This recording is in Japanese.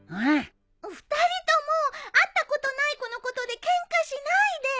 ２人とも会ったことない子のことでケンカしないで。